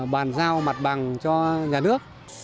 bàn giao mặt bằng cho nhà nước